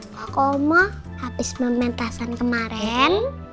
kok om entah abis me main tasan kemarin